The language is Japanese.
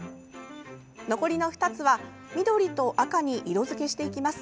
残りの２つは緑と赤に色づけしていきます。